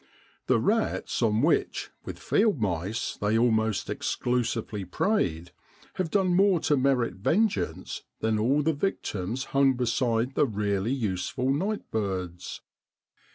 The rats on which, with field mice, they almost 20 FEBRUARY IN BROADLAND. exclusively preyed, Lave done more to merit vengeance than all the victims hung beside the really useful nightbirds.